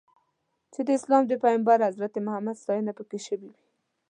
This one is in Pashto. چې د اسلام د پیغمبر حضرت محمد ستاینه پکې شوې وي.